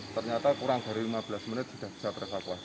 ternyata kurang dari lima belas menit sudah bisa terevakuasi